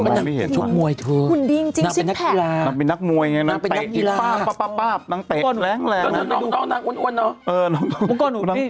เราก็ต้องเซฟมันกว่าเธอเอาลง